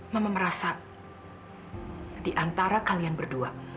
mama merasa di antara kalian berdua